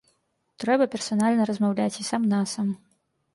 Трэба персанальна размаўляць і сам-насам.